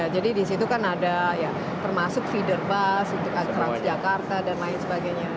jadi di situ kan ada termasuk feeder bus transjakarta dan lain sebagainya